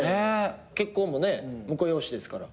結婚もね婿養子ですから。